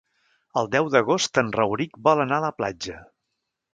El deu d'agost en Rauric vol anar a la platja.